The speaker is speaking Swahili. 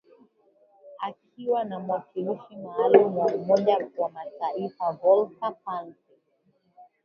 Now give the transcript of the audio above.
Akiwa na mwakilishi maalum wa Umoja wa Mataifa, Volker Perthes